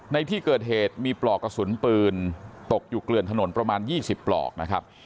ในที่เกิดเหตุมีปลอกกระสุนปืนตกอยู่เกลือนถนนประมาณ๒๐ปลอกนะครับ